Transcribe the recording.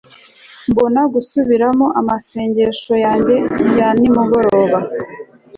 Mbona gusubiramo amasengesho yanjye ya nimugoroba